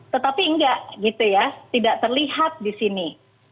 tetapi tidak tidak terlihat di sini